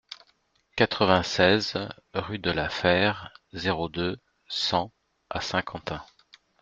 quatre-vingt-seize rue de la Fère, zéro deux, cent à Saint-Quentin